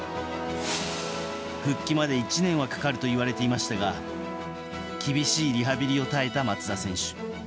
復帰まで１年はかかるといわれていましたが厳しいリハビリを耐えた松田選手。